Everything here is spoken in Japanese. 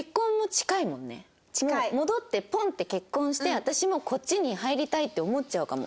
戻ってポンって結婚して私もこっちに入りたいって思っちゃうかも。